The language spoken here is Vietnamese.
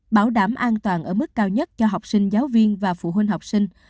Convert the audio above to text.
bảo đảm an toàn ở mức cao nhất cho học sinh giáo viên và phụ huynh học sinh